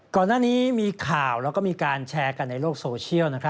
ก่อนหน้านี้มีข่าวแล้วก็มีการแชร์กันในโลกโซเชียล